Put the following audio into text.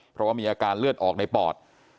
เพราะว่ามีอาการเลือดออกในปอด